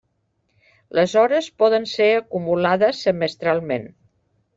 Les hores poden ser acumulades semestralment.